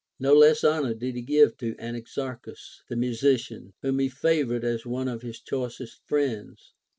No less honor did he give to Anaxarchus the musician, whom he favored as ont of his choicest friends.